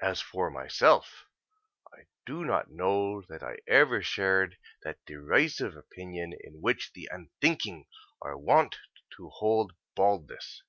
As for myself, I do not know that I ever shared that derisive opinion in which the unthinking are wont to hold baldness.